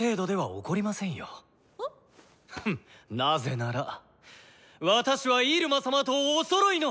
フッなぜなら私はイルマ様と「おそろい」の！